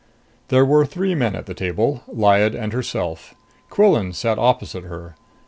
There were three men at the table; Lyad and herself. Quillan sat opposite her.